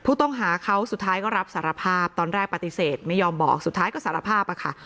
ผู้ต้องหาเขาสุดท้ายก็รับสารภาพตอนแรกปฏิเสธไม่ยอมบอกสุดท้ายก็สารภาพอะค่ะ